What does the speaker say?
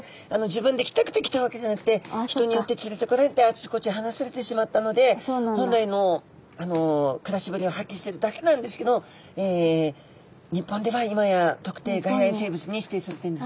自分で来たくて来たわけじゃなくて人によって連れてこられてあちこち放されてしまったので本来の暮らしぶりを発揮してるだけなんですけど日本では今や特定外来生物に指定されているんですね。